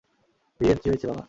ভিরেন, কি হয়েছে বাবা?